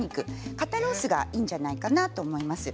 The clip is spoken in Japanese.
肩ロースがいいんじゃないかと思います。